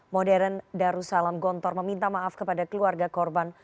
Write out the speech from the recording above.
modern darussalam gontor meminta maaf kepada keluarga korban